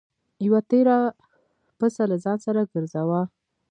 یوه تېره پڅه له ځان سره ګرځوه.